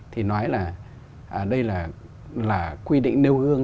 thì nói là đây là quy định nêu gương